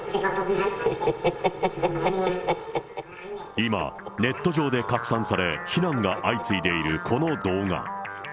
今、ネット上で拡散され、非難が相次いでいるこの動画。